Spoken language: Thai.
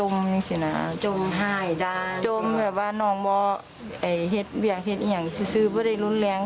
มีอยู่จากแทงกันทั้งแต่กับก็เลยรุนแรง